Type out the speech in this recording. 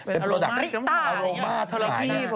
เป็นโรดักอารม้า